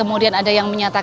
kemudian ada yang menyebutkan